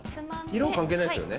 色関係ないですよね。